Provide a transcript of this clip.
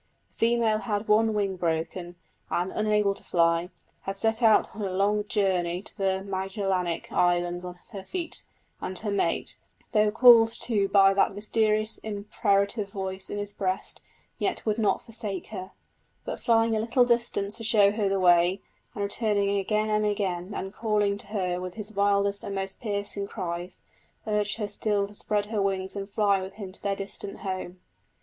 The female had one wing broken, and, unable to fly, had set out on her long journey to the Magellanic Islands on her feet; and her mate, though called to by that mysterious imperative voice in his breast, yet would not forsake her; but flying a little distance to show her the way, and returning again and again, and calling to her with his wildest and most piercing cries, urged her still to spread her wings and fly with him to their distant home.